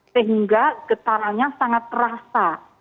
sehingga getarannya sangat terasa